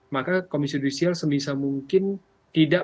maka komisi judisial semisal mungkin tidak memungkinkan